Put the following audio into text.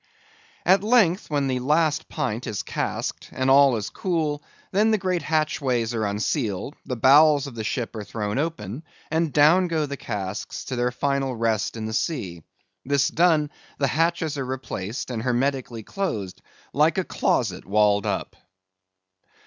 At length, when the last pint is casked, and all is cool, then the great hatchways are unsealed, the bowels of the ship are thrown open, and down go the casks to their final rest in the sea. This done, the hatches are replaced, and hermetically closed, like a closet walled up.